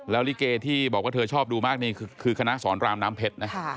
ลิเกที่บอกว่าเธอชอบดูมากนี่คือคณะสอนรามน้ำเพชรนะ